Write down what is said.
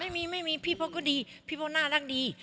ไม่มีไม่มีพี่โพธก็ดีพี่โพน่ารักดี